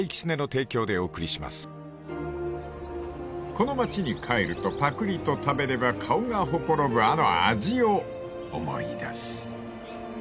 ［この町に帰るとパクリと食べれば顔がほころぶあの味を思い出す］